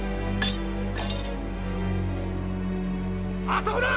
あそこだ！